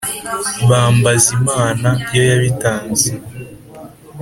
Bambaza Imana iyo yabitanze (yo yabitanze)!!!